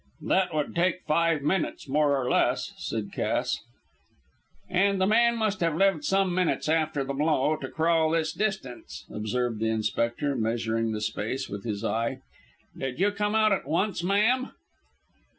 "That would take five minutes, more or less," said Cass. "And the man must have lived some minutes after the blow, to crawl this distance," observed the inspector, measuring the space with his eye. "Did you come out at once, ma'am?"